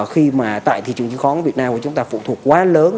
khi mà tại thị trường chứng khoán việt nam của chúng ta phụ thuộc quá lớn